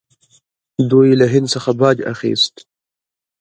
دوی له هند څخه باج اخیست